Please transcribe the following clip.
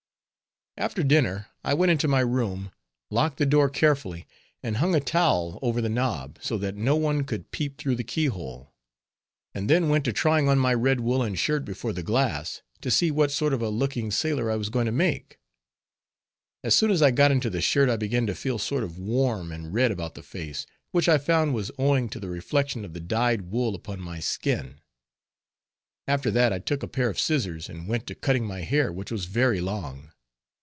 After dinner I went into my room, locked the door carefully, and hung a towel over the knob, so that no one could peep through the keyhole, and then went to trying on my red woolen shirt before the glass, to see what sort of a looking sailor I was going to make. As soon as I got into the shirt I began to feel sort of warm and red about the face, which I found was owing to the reflection of the dyed wool upon my skin. After that, I took a pair of scissors and went to cutting my hair, which was very long.